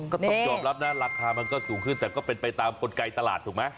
ก็ต้องยอมรับนะราคามันก็สูงขึ้นแต่ก็เป็นไปตามกลไกตลาดถูกไหม